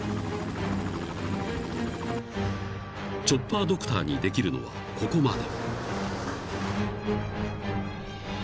［チョッパードクターにできるのはここまで］